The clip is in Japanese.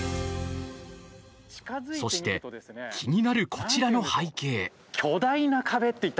そして気になる、こちらの背景。